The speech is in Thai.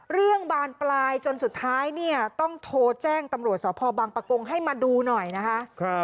บานปลายจนสุดท้ายเนี่ยต้องโทรแจ้งตำรวจสพบังปะกงให้มาดูหน่อยนะคะ